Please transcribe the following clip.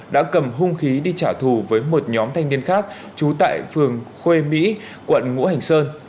đã cầm hung khí đi trả thù với một nhóm thanh niên khác trú tại phường khuê mỹ quận ngũ hành sơn